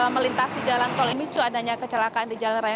melintasi jalan tol inicu adanya kecelakaan di jalan raya